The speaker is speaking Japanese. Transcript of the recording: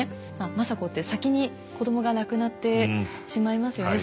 政子って先に子どもが亡くなってしまいますよね。